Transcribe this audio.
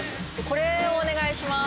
これお願いします